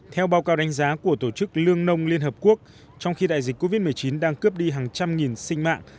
theo báo cáo đánh giá của tổ chức lương nông liên hợp quốc trong khi đại dịch covid một mươi chín đang cướp đi hàng trăm nghìn sinh mạng